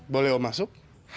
boleh om masuk